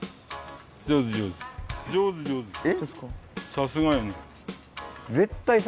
さすがやね。